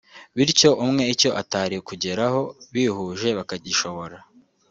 bityo icyo umwe atari kugeraho bihuje bakagishobora